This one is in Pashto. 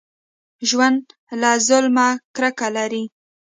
ژوندي له ظلمه کرکه لري